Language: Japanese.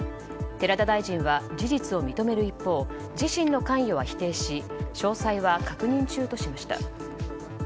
寺田大臣は、事実を認める一方自身の関与は否定し詳細は確認中としました。